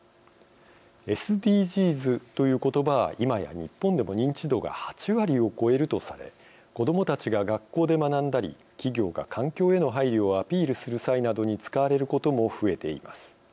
ＳＤＧｓという言葉は今や日本でも認知度が８割を超えるとされ子どもたちが学校で学んだり企業が環境への配慮をアピールする際などに使われることも増えています。